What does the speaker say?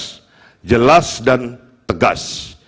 harus jelas dan tegas